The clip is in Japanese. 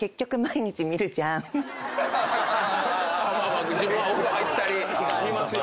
まあまあ自分はお風呂入ったり見ますよ。